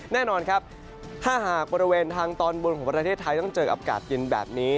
แน่นอนครับถ้าหากบริเวณทางตอนบนของประเทศไทยต้องเจออากาศเย็นแบบนี้